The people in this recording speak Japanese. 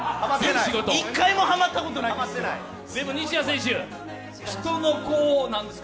１回もハマったことないんです。